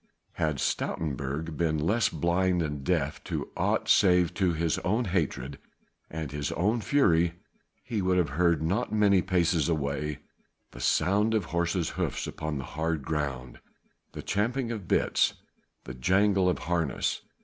Had Stoutenburg been less blind and deaf to aught save to his own hatred and his own fury, he would have heard not many paces away, the sound of horses' hoofs upon the hard ground, the champing of bits, the jingle of harness.